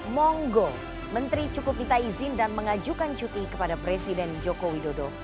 monggo menteri cukup minta izin dan mengajukan cuti kepada presiden joko widodo